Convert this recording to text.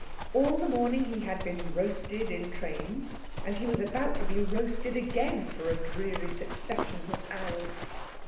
All the morning he had been roasted in trains, and he was about to be roasted again for a dreary succession of hours.